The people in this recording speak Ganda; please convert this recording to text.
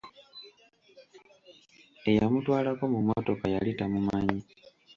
Eyamutwalako mu mmotoka yali tamumanyi.